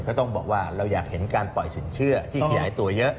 ก็ต้องบอกว่าเราอยากเห็นการปล่อยสินเชื่อที่ขยายตัวเยอะ